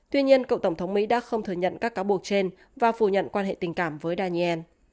tuy nhiên cựu tổng thống mỹ đã không thừa nhận các cáo buộc trên và phủ nhận quan hệ tình cảm với daniel